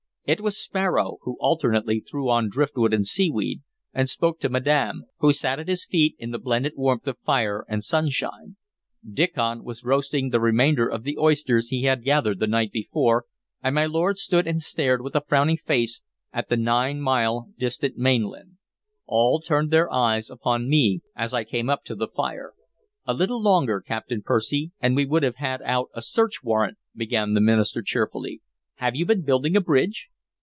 It was Sparrow, who alternately threw on driftwood and seaweed and spoke to madam, who sat at his feet in the blended warmth of fire and sunshine. Diccon was roasting the remainder of the oysters he had gathered the night before, and my lord stood and stared with a frowning face at the nine mile distant mainland. All turned their eyes upon me as I came up to the fire. "A little longer, Captain Percy, and we would have had out a search warrant," began the minister cheerfully. "Have you been building a bridge?"